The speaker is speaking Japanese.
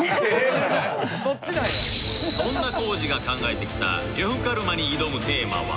そんな皇治が考えてきた呂布カルマに挑むテーマは